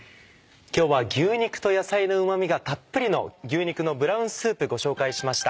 今日は牛肉と野菜のうま味がたっぷりの「牛肉のブラウンスープ」ご紹介しました。